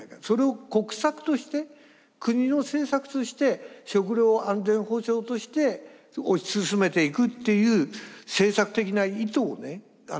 それを国策として国の政策として食料安全保障として推し進めていくっていう政策的な意図をね